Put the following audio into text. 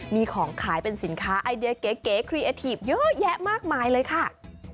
มีของขายเป็นสินค้าไอเดียเก๋ครีเอทีฟเยอะแยะมากมายเลยค่ะ